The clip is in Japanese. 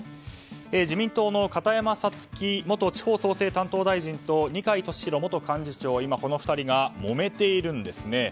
自民党の片山さつき元地方創生担当大臣と二階俊博元幹事長の２人がもめているんですね。